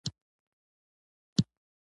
زموږ هیواد افغانستان دی.